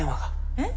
えっ？